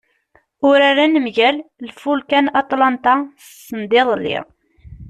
Uraren mgal Ifulka n Atlanta sendiḍelli.